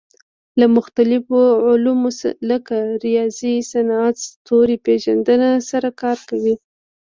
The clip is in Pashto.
له مختلفو علومو لکه ریاضیات، صنعت، ستوري پېژندنه سره کار کوي.